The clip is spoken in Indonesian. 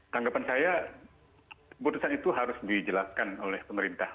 tanggapan saya putusan itu harus dijelaskan oleh pemerintah